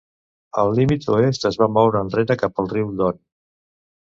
El límit oest es va moure enrere cap al riu Don.